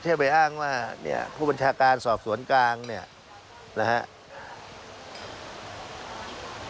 เทียบไปอ้างว่านี่ผู้บัญชาการสอบสวนกลางนี่นะครับ